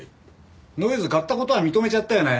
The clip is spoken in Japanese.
ノイズ買った事は認めちゃったよね？